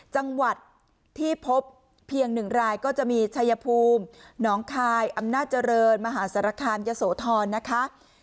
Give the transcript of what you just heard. จังหวัดที่พบเพียง๑รายก็จะมีชัยภูมิหนองคายอำนาจเจริญมหาสารคามยะโสธรนะคะ